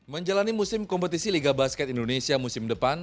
menjalani musim kompetisi liga basket indonesia musim depan